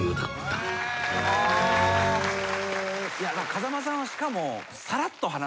風間さんはしかも。